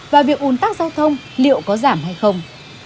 và việc ủn tắc giao thông liệu có giảm hay không